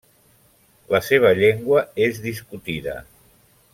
La seva llengua és discutida.